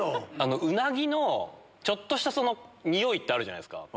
ウナギのちょっとした匂いってあるじゃないですか。